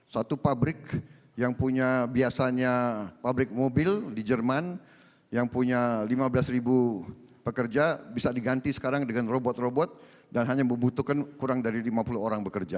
satu pabrik yang punya biasanya pabrik mobil di jerman yang punya lima belas ribu pekerja bisa diganti sekarang dengan robot robot dan hanya membutuhkan kurang dari lima puluh orang bekerja